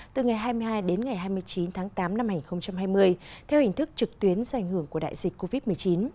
từ ngày hai mươi hai đến ngày hai mươi chín tháng tám năm hai nghìn hai mươi theo hình thức trực tuyến do ảnh hưởng của đại dịch covid một mươi chín